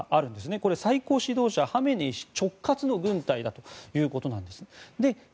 これは最高指導者ハメネイ師直轄の軍隊だということです。